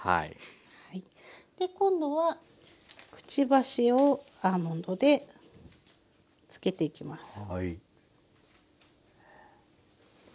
今度はくちばしをアーモンドでつけていきます。